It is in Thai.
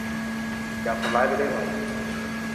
อยากทำร้ายไปด้วยไหม